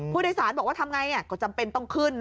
ผู้โดยสารบอกว่าทำไงก็จำเป็นต้องขึ้นนะ